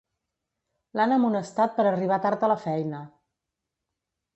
L'han amonestat per arribar tard a la feina.